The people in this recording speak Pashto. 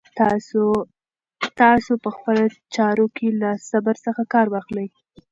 تاسو په خپلو چارو کې له صبر څخه کار واخلئ.